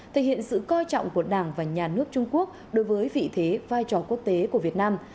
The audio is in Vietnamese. thể hiện sự coi trọng của đảng và nhà nước trung quốc đối với vị thế vai trò quốc tế của việt nam